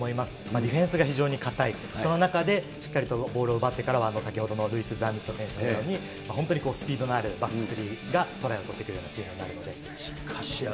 ディフェンスが非常にかたい、その中でしっかりとボールを奪ってからは、先ほどのルイス・ザニット選手、本当にスピードのあるバックスリーがトライを取ってくれるチームになるので。